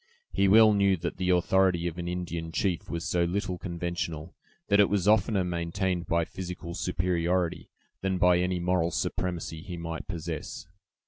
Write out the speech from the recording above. He well knew that the authority of an Indian chief was so little conventional, that it was oftener maintained by physical superiority than by any moral supremacy he might possess.